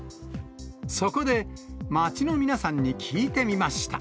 そこで街の皆さんに聞いてみました。